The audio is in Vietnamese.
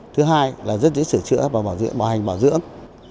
thứ hai là rất dễ sửa chữa và bảo hành bảo dưỡng